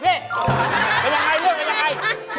เป็นเรื่องอะไร